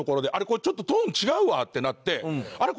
これちょっとトーン違うわってなってあれ？